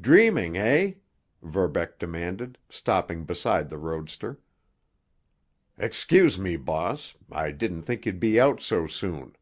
"Dreaming, eh?" Verbeck demanded, stopping beside the roadster. "Excuse me, boss. I didn't think you'd be out so soon."